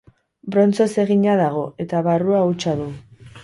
Brontzez egina dago eta barrua hutsa du.